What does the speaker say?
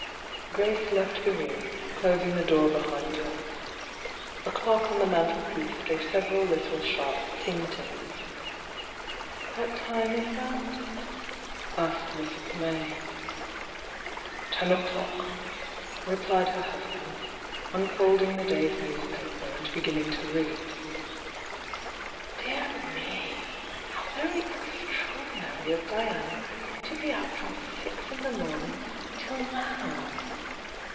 Grace left the room, closing the door behind her. A clock on the mantelpiece gave several little sharp ting tings. "What time is that?" asked Mrs. May. "Ten o'clock," replied her husband, unfolding the day's newspaper and beginning to read. "Dear me! How very extraordinary of Diana to THE YOUNG DIANA 63 be out from six in the morning till now!"